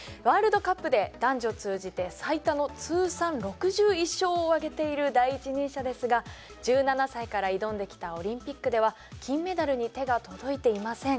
ワールドカップで男女通じて最多の通算６１勝を挙げている第一人者ですが１７歳から挑んできたオリンピックでは金メダルに手が届いていません。